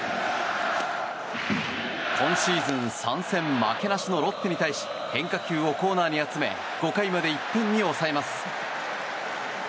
今シーズン３戦負けなしのロッテに対し変化球をコーナーに集め５回まで１点に抑えます。